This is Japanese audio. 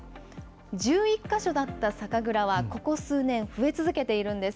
１１か所だった酒蔵はここ数年増え続けているんです。